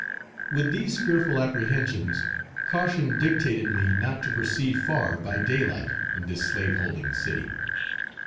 With these fearful apprehensions, caution dictated me not to proceed far by day light in this slaveholding city.